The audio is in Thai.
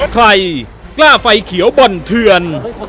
ใครกล้าไฟเขียวบ่อนเทือน